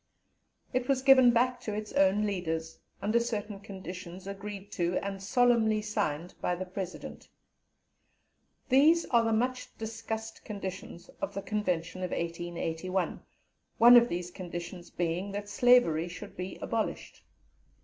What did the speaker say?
It was given back to its own leaders, under certain conditions, agreed to and solemnly signed by the President. These are the much discussed conditions of the Convention of 1881, one of these conditions being that Slavery should be abolished.